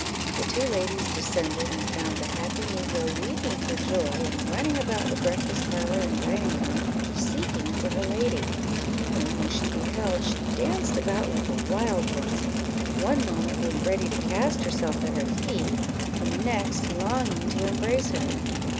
The two ladies descended, and found the happy negro weeping for joy, and running about the breakfast parlour and dining room, seeking for her lady, whom, when she beheld, she danced about like a wild woman; one moment being ready to cast herself at her feet, and the next longing to embrace her.